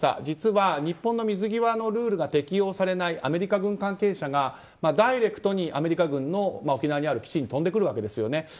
実は日本の水際のルールが適用されないアメリカ軍関係者がダイレクトにアメリカ軍の沖縄にある基地に飛んでくるわけです。